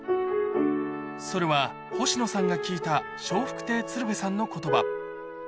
それは、星野さんが聞いた笑福亭鶴瓶さんのことば。